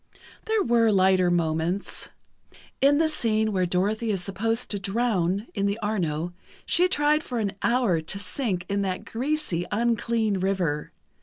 There were lighter moments: In the scene where Dorothy is supposed to drown in the Arno, she tried for an hour to sink in that greasy, unclean river.